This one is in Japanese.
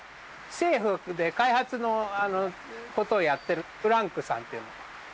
政府で開発のことをやってるフランクさんっていうの。